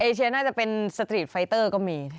เชียน่าจะเป็นสตรีทไฟเตอร์ก็มี